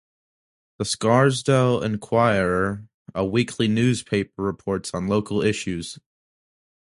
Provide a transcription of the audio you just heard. "The Scarsdale Inquirer", a weekly newspaper, reports on local issues.